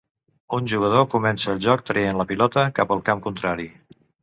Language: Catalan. Un jugador comença el joc traient la pilota cap al camp contrari.